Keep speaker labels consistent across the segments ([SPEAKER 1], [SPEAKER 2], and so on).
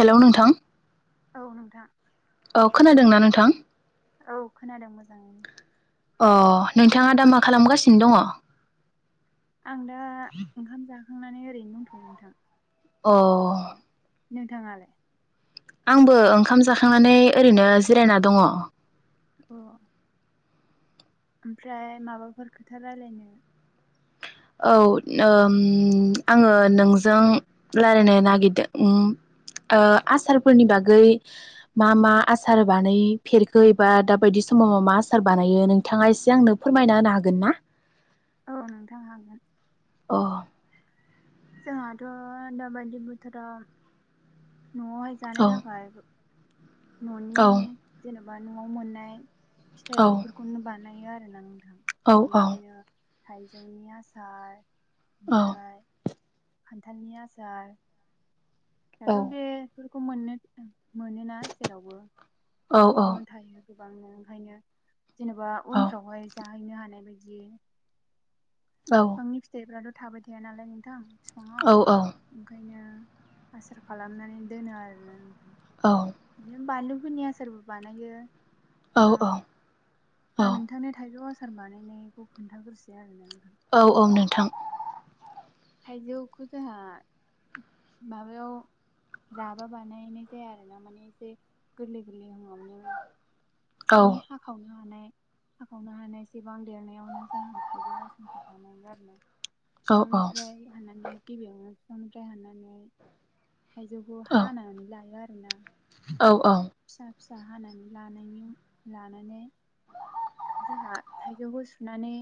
[SPEAKER 1] Hello नोंथां।
[SPEAKER 2] औ नोंथां।
[SPEAKER 1] औ खोनादोंना नोंथां?
[SPEAKER 2] औ खोनादों मोजाङैनो।
[SPEAKER 1] अ नोंथाङा दा मा खालामगासिनो दङ?
[SPEAKER 2] आं दा ओंखाम जा खांनानै ओरैनो दंथ'यो नोंथां।
[SPEAKER 1] अ
[SPEAKER 2] ओ नोंथाङालाय?
[SPEAKER 1] आंबो ओंखाम जाखांनानै ओरैनो जिरायना दङ।
[SPEAKER 2] अ ओमफ्राय माबाफोर खोथा रायलायनो?
[SPEAKER 1] औ नोम आङो नोंजों लारायनो नागिरदों उम ओ आसारफोरनि बागै मा मा आसार बानायफेरखो एबा दाबायदि समाव मा आसार बानायो नोंथाङा इसे आंनो फोरमायना होनो हागोन ना?
[SPEAKER 2] औ नोंथां हाग
[SPEAKER 1] अ
[SPEAKER 2] जोंहाथ' दाबायदि बोथोरा न'आवहाय
[SPEAKER 1] औ
[SPEAKER 2] जानो थाखाय
[SPEAKER 1] औ
[SPEAKER 2] न'नि जेन' बा न'आव मोन्नाय
[SPEAKER 1] औ
[SPEAKER 2] फिथाइ फोरखौनो बानाय आरो नों थां
[SPEAKER 1] औ
[SPEAKER 2] बिब्दिनो थाइजौनि आसार
[SPEAKER 1] औ
[SPEAKER 2] ओमफ्राय खान्थालनि आसार
[SPEAKER 1] औ
[SPEAKER 2] दाथ' बे फोरखौ मोन्नो मोनोना जेरावबो
[SPEAKER 1] औ
[SPEAKER 2] न'फ्रावनो थायो। गोबांनो ओंखायनो जेनेबा
[SPEAKER 1] औ
[SPEAKER 2] उनफ्रावहाय जाहैनो हानाय बायदि उम आंनि फिथाइ फ्राथ' थाबायथाया नालाय नों थां। फिफाङाव
[SPEAKER 1] औ
[SPEAKER 2] ओंखायनो आसार खालामनानै दोनो आरो ना [unintelligible]
[SPEAKER 1] औ
[SPEAKER 2] बानलु फोरनि आसारबो बानायो आं
[SPEAKER 1] औ
[SPEAKER 2] आं नोंथांनो थाइजौ आस सार बानायनायखौ खोन्थाग्रोसै आरोना नोंथां
[SPEAKER 1] औ औ नोंथां
[SPEAKER 2] थाइजौखौ जोंहा माबायाव राबा बानायनाय जाया आरो ना माने एसे गोरलै गोरलै हाङावनो माने हाखाव नो हानाय हाखावनो हानाय एसेबां देरनायावनो जाहा थाइजौ आसारखौ बानायो आरो ना। बिफांनिफ्राय हानानै गिबियावनो बिफांनिफ्राय हानानै थायजौखौ हानानै लायो आरो हानना
[SPEAKER 1] औ औ
[SPEAKER 2] फिसा हानानै लानायनि लानानै जोंहा थाइजौखौ सुनानै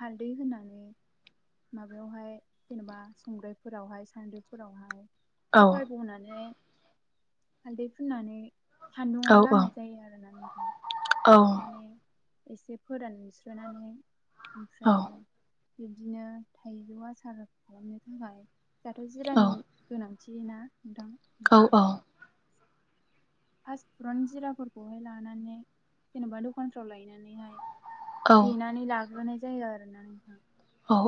[SPEAKER 2] हालदै होनानै माबायावहाय जेनेबा संग्रायफोरावहाय सान्द्रिफोरावहाय पेपारट बनानै हालदै फुननानै सान्दुङाव लामनाय जायो आरोना नों
[SPEAKER 1] औ।
[SPEAKER 2] एसे फोरानस्रोनानै ओमफ्रायो बिब्दिनो थाइजौ आसार खालामनो थाखाय दाथ' जिरानि गोनां थिना
[SPEAKER 1] औ औ।
[SPEAKER 2] फास्ट फुडनो जिराफोरखौहाय लानानै जेन'बा दखानफ्राव लायनानैहाय देनानि लाग्रोनाय जायो आरोना नोंथां।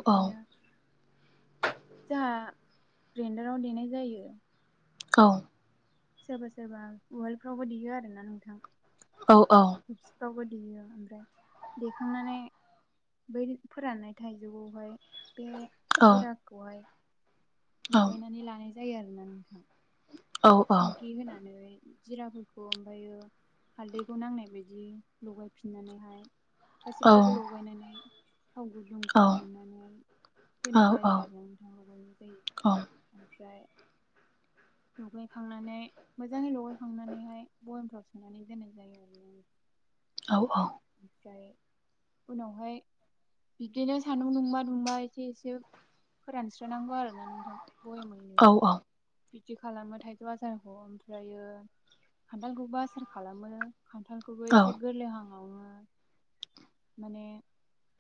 [SPEAKER 2] बिदिनो जोंहा ग्रैन्डाराव देनाय जायो।
[SPEAKER 1] औ।
[SPEAKER 2] सोरबा सोरबा उवालफ्रावबो देयो आरोना नोंथां।
[SPEAKER 1] औ औ।
[SPEAKER 2] रावबो देयो ओमफ्राय देखांनानै बै फोराननाय थाइजौगावहाय बे
[SPEAKER 1] औ
[SPEAKER 2] जिराखौहाय लगायनानै लानाय ज जायो आरोना नोंथां। संख्रि होनानै जिराफोरखौ ओमफ्रायो हालदैखौ नांनाय बायदि लगायफिननानैहाय गासिबखौबो
[SPEAKER 1] औ
[SPEAKER 2] लगायनानै थाव गुदुं फुदुंनानै होनाय जायो आरोना नोंथां लगायनाय जायो। ओमफ्राय लगाय खांनानै मोजांङै लगाय बयामफ्राव सोनानै दोननाय जायो आरो
[SPEAKER 1] औ औ।
[SPEAKER 2] ओमफ्राय उनावहाय बिदिनो सान्दुं दुंबा दुंबा एसे एसे फोरानस्रोनांगौ आरो ना नोंथां बययामैनो बिदि खालामो थाइजौ आसारखौ ओमफ्रायो खान्थालखौबो आसार खालामो। खान्थालखौबो एसे गोरलैहां हांवो माने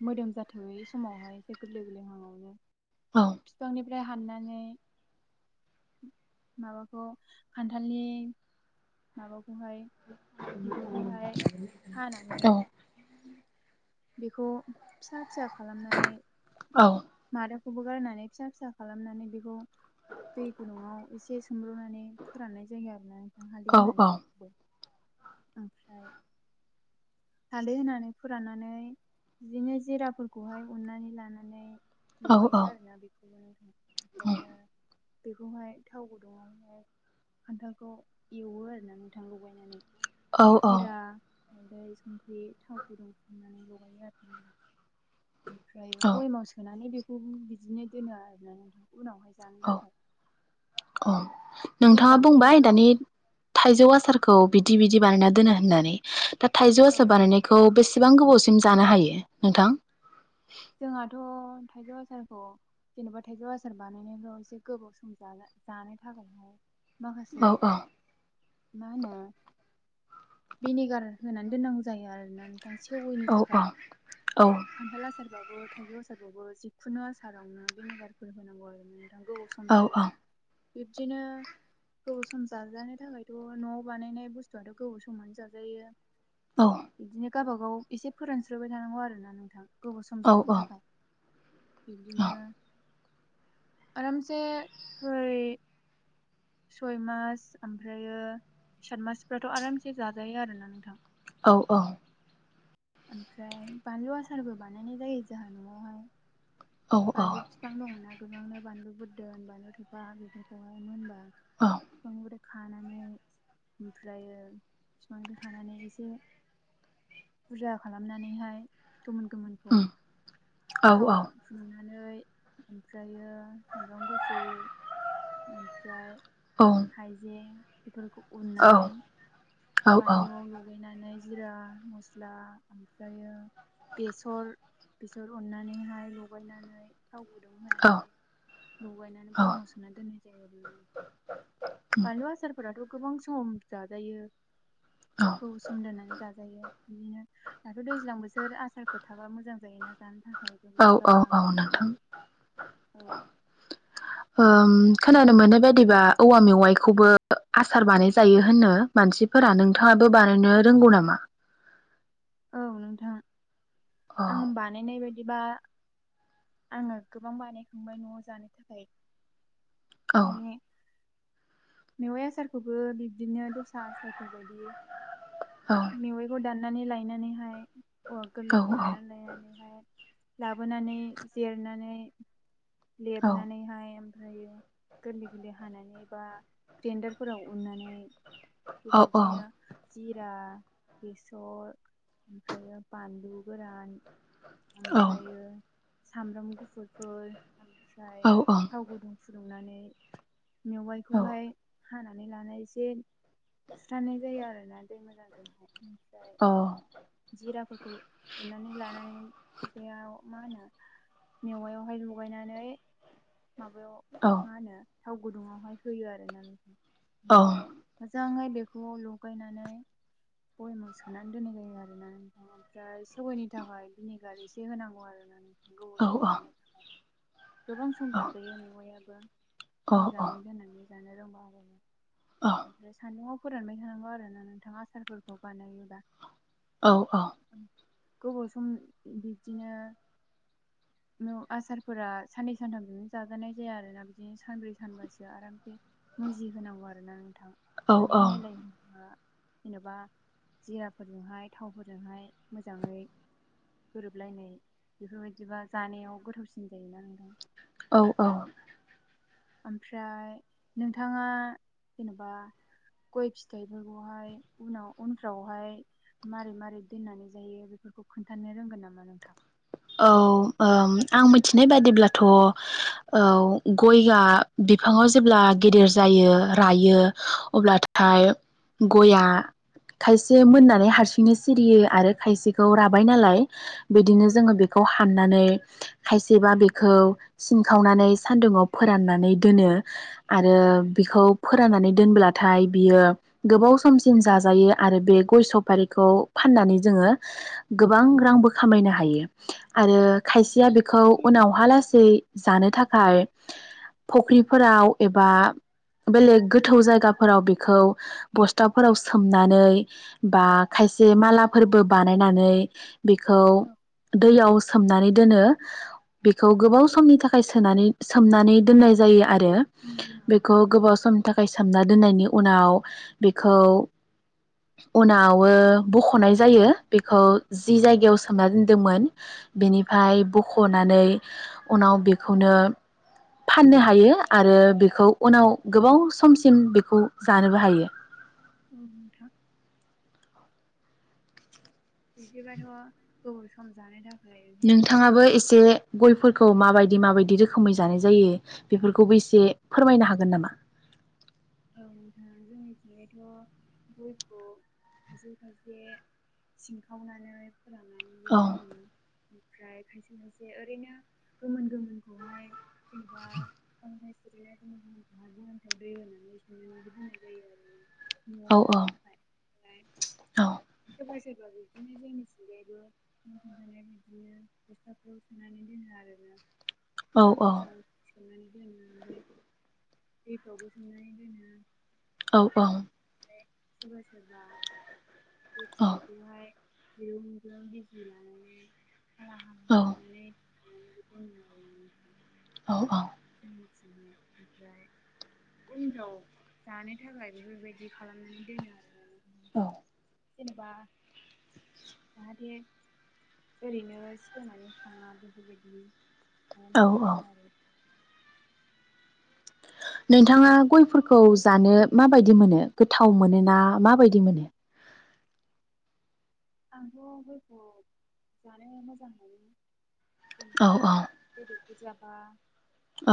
[SPEAKER 2] मोदोम जाथयै समावहाय एसे गोरलै गोरलै हांङावनो
[SPEAKER 1] औ।
[SPEAKER 2] फ्राय हाननानै माबाखौ खान्थालनि माबा हानानै
[SPEAKER 1] [unintelligible] औ।
[SPEAKER 2] बेखौ फिसा फिजा खालामनानै मादा खौबो गारनानै फिसा फिसा खालामनानै दै गुदुंआव ऐसे सोमब्रुनानै फोराननाय जायो आरोना नोंथां हालदै होननानै बेखौबो ओमफ्राय हालदै होनानै फोराननानै बिदिनो जिराफोरखौहाय उननानै लानानै लगायो आरोना बे [unintelligible] ओमफ्रायो बेखौहाय थाव गुदुंङावहाय खान्थालखौ एवो आरो ना नोंथां लगायनानै। जिरा हालदै संख्रि थाव गुदुं फुदुंनानै लगायो आरो नोंथां ओमफ्रायो बयमाव सोनानै बे बेखौबो बिदिनो दोनो आरो ना नोथां।
[SPEAKER 1] औ अ।
[SPEAKER 2] दैज्लां
[SPEAKER 1] नोंथांङा बुंबाय
[SPEAKER 2] बोथोरफ्राव
[SPEAKER 1] दानि थाइजौ आसारखो औ बिदि बिदि बानायना दोनो होननानै दा थाइजौ
[SPEAKER 2] औ
[SPEAKER 1] आसार बानायनायखौ बेसे बेसेबां गोबावसिम जानो हायो नोंथां?
[SPEAKER 2] जोंहाथ थाइजौ आसारखौ जेनेबा थाइजौ आसार बानायनायल एसे गोबाव सम जानो थाखायहाय नआव मखासे
[SPEAKER 1] औ औ
[SPEAKER 2] मा होनो भिनेगार होनानै दोननांगौ जायो आरोना नों थां सेवयनि
[SPEAKER 1] औ
[SPEAKER 2] थाखाय
[SPEAKER 1] औ
[SPEAKER 2] खान्थाल आसारबाबो। थाइगौ आसारावबो जिखुनु आसारावनो भिनेगारफोर होनांगौ आरो नों थां गोबाव सम
[SPEAKER 1] औ
[SPEAKER 2] जानो था बिब्दिनो गोबाव सम जाजानो थाखायथ नआव बानायनाय बुस्थुआथ' गोबाव समानो जाजायो।
[SPEAKER 1] औ
[SPEAKER 2] बिदिनो गावबागाव एसे फोरानस्रोबाय थानांगौ आरो ना नोंथां
[SPEAKER 1] औ
[SPEAKER 2] थोमजानो थाखाय बिदिनो आरामसे सय सय मास ओमफ्रायो सात मासफ्राथ' आरामसे जाजायो आरोना नोंथां
[SPEAKER 1] औ औ
[SPEAKER 2] ओमफ्राय बानलु आसारबो बानायनाय जायो जोंहा न'आवहाय बानलु बिफां दङना गोबांनो बानलु बुरदोन बानलु थफा बेफोरखौहाय मोनबा [unintelligible] खानानै ओमफ्रायो बिफांख्रि खानानै एसे बुरजा खालामनानैहाय गोमोन गोमोनखौ
[SPEAKER 1] उम औ औ
[SPEAKER 2] [unintelligible] सानै ओमफ्रायो सामब्राम गुफुर ओमफ्राय
[SPEAKER 1] औ
[SPEAKER 2] हाइजें इफोरखौ उननानै
[SPEAKER 1] औ
[SPEAKER 2] बानलुआव लगैनानै जिरा मस्ला ओमफायो बेसर बेर अननानैहाय लगायनानै थाव गुदुं
[SPEAKER 1] औ
[SPEAKER 2] होनानै लगायनानै
[SPEAKER 1] औ
[SPEAKER 2] बयामाव सोनानै दोननाय जायो
[SPEAKER 1] उम
[SPEAKER 2] बानलु आसारफोराथ' गोबां सम जाजायो ग
[SPEAKER 1] औ
[SPEAKER 2] सोमदोनानै जागोन बिदिनो दाथ' दैज्लां बोसोर आसारफोर थाबा मोजां जायोना [unintelligible]
[SPEAKER 1] औ औ औ
[SPEAKER 2] लांनो
[SPEAKER 1] नोंथां
[SPEAKER 2] थाखाय औ
[SPEAKER 1] खोनानो मोननाय बायदिबा औवा मे माइखौबो आसार बानायजायो होननो मानसिफोरा नोंथाङाबो बानायनो रोंगौ नामा?
[SPEAKER 2] औ नोंथाङा
[SPEAKER 1] अ
[SPEAKER 2] आं बानायनाय बायद एबा आङो गोबां बानायखांबाय न'आव जानो थाखाय
[SPEAKER 1] औ
[SPEAKER 2] माने मेवाइ आसारखौबो बिब्दिनो दस्रा आसारफोर बायदि
[SPEAKER 1] औ
[SPEAKER 2] मेवयाइखौ दान नानै लायो नानैहाय औवा
[SPEAKER 1] औ
[SPEAKER 2] गोरलैखौ दानना लायनानैहाय लाबोनानै जिरनानै
[SPEAKER 1] औ
[SPEAKER 2] लेबनानैहाय ओमफ्रायो गोरलै-गोरलै हानानै बा ग्रेन्डारफोराव उननानै
[SPEAKER 1] औ औ
[SPEAKER 2] बेबायदिनो जिरा बेसर ओमफ्रायो बानलुगोरान
[SPEAKER 1] औ
[SPEAKER 2] ओमफ्रायो सामब्राम गुफुरफोर ओम फ्राय
[SPEAKER 1] औ
[SPEAKER 2] थाव गुदुं फुदुं नानै
[SPEAKER 1] औ
[SPEAKER 2] मेवाइखौहाय हानानै लानाय जे सुस्रानाय जायो आरोना दै मोजां जोंहाय
[SPEAKER 1] अ
[SPEAKER 2] जिराफोरखौ उननानै ला नाय बेयाव मा होनो मेवायावहाय लगायनानै माबायाव
[SPEAKER 1] औ
[SPEAKER 2] मा होनो थाव गुदुङावहाय होयो आरो ना ओमफ्राय मोजाङै बेखौ लगायनानै बयामाव सोनानै दोननाय जायो आ रोना ओमफ्राय सेवयैनि थाखाय भिनेगार एसे होनांगौ आरोना गोबाव सम जानो थाखाय गोबां समजाजायो मेवायाबो मोजाङै दोननानै जानो रोंबा ओमफ्राय सान्दुङाव फोरानबाय थानांगौ आरो ना नोंथां आसारफोरखौ बानायोबा
[SPEAKER 1] औ औ
[SPEAKER 2] गोबाव सम बिब्दिनो न आसारफोरा साननै सानथामजोंनो जाजानाय जाया आरोना बिदिनो सानब्रै सानबासो आरामसे मुजि होनांगौ आरो ना नोंथां।
[SPEAKER 1] औ
[SPEAKER 2] माने मेलाय जेन'बा जिराफोरजोंहाय थावफोरजोंहाय मोजाङै गोरोबलायनाय बेफोरबायदिबा जानायाव गोथावसिन जायोना नोंथां
[SPEAKER 1] औ औ
[SPEAKER 2] ओमफ्राय नोंथाङा जेन'बा गय फिथाइफोरखौहाय उनाव उनफ्रावहाय मारै मारै दोननानै जायो बेफोरखौ खोन्थानो रोंगोन नामा नोंथां।
[SPEAKER 1] औ आं मिथिनाय बाददिब्लाथ' औ गयआ बिफाङाव जेब्ला गिदिर जायो रायो अब्लाथाय
[SPEAKER 2] औ
[SPEAKER 1] गया खायसे मोननानै हारसिंनो सिरियो आरो खायसेखौ राबाय नालाय बिदिनो जोंङो बे खौ हाननानै खायसेबा बेखौ सिनखावनानै सान्दुुंआव फोराननानै दोनो आरो बिखौ फोराननानै दोनब्लाथाय बियो गोबाव समसिम जाजायो आरो बे गय सफारिखौ फाननानै जोङो गोबां रांबो खामायनो हायो। आरो खायसेया बेखौ
[SPEAKER 2] औ
[SPEAKER 1] उनावहा लासै जानो थाखाय फख्रिफोराव एबा बेलेग गोथौ जायगाफोराव बेखौ बस्थाफोराव सोमनानै बा खायसे मालाफोरबो बानायनानै बेखौ
[SPEAKER 2] औ
[SPEAKER 1] दैयाव सोमनानै दोनो। बेखौ
[SPEAKER 2] औ
[SPEAKER 1] गोबाव समनि थाखाय सोनानै सोमनानै दोननाय जायो आरो बेखौ गोबाव समनि थाखाय सोमना दोननायनि उनाव बेखौ उनावो बख'नाय जायो। बेखौ जि जायगायाव सोमाना दोन दोमोन बेनिफ्राय बख'नानै उनाव बेखौनो फाननो हायो आरो बेखौ उनाव गोबाव समसिम बेखौ जानोबो हायो।
[SPEAKER 2] औ नोंथां बिदिबाथ' गोबाव सम जानो थाख
[SPEAKER 1] नोंथांङाबो एसे गयफोरखौ माबायदि माबाय दि रोखोमै जानाय जायो बेफोरखौबो इसे फोरमायनो हागोन नामा?
[SPEAKER 2] औ जोंनिथिजायथ' गयखौ खायसे खायसे सिनखावनानै
[SPEAKER 1] औ
[SPEAKER 2] फ्राय खायसे खायसे ओरैनो गोमोन गोमोनखौहाय एबा [unintelligible] [unintelligible] [unintelligible] दोन्नाय जायो आरोना। न'आव
[SPEAKER 1] औ
[SPEAKER 2] जानो
[SPEAKER 1] औ
[SPEAKER 2] थाखाय फ्राय
[SPEAKER 1] औ
[SPEAKER 2] सोरबा सोरबा बिदिनो जोंनि थिंजायबो नों खोन्थानाय बिदिनो बस्थालाफोराव सोनानै दोनो आरोना।
[SPEAKER 1] औ
[SPEAKER 2] हाखर जावनानै सोमनानै दोनो ओमफ्राय दैफ्रावबो सोमनानै दोनो। उ [inaudible]
[SPEAKER 1] औ औ।
[SPEAKER 2] फाय सोरबा सोरबा। गय फिथायखौहाय [inaudible] लानानै [unintelligible]
[SPEAKER 1] औ।
[SPEAKER 2] [unintelligible]
[SPEAKER 1] औ औ।
[SPEAKER 2] उनफ्राव। जानो थाखाय बेफोर बायदि खालामनानै दोनो आरो ना नों
[SPEAKER 1] औ।
[SPEAKER 2] जेनेबा जाहाथे ओरैनो सेवनानै थाङा बेफोर बायदि।
[SPEAKER 1] औ औ नोंथाङा गयफोरखौ जानो माबायदि मोनो गोथाव मोनो ना माबायदि मोनो?
[SPEAKER 2] आंथ' गयखौ जानो मोजां मोनो।
[SPEAKER 1] औ
[SPEAKER 2] जेनेबा
[SPEAKER 1] औ
[SPEAKER 2] बेदरफोर जाबा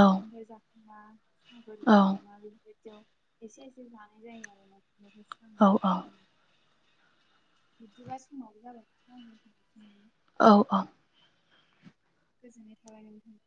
[SPEAKER 2] ओंखामफोर जाख बा [unintelligible] [unintelligible] एसे एसे जानाय जायो आरो ना [unintelligible]
[SPEAKER 1] औ
[SPEAKER 2] सान्दुंनि थाखाय बिब्दिबास [unintelligible]
[SPEAKER 1] औ औ।
[SPEAKER 2] गोजोननाय थाबाय नोंथां।